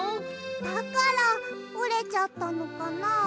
だからおれちゃったのかな。